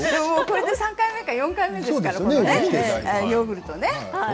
これで３回目か４回目ですよねヨーグルトね。